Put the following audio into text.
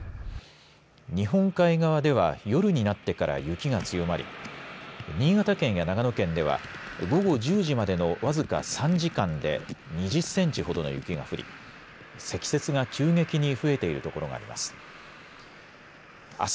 日本海側では夜になってから雪が強まり新潟県や長野県では午後１０時までのわずか３時間で２０センチほどの雪が降り積雪が急激に増えている所があります。